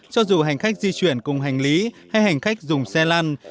cho dù hành khách di chuyển cùng hành lý hay hành khách dùng xe lăn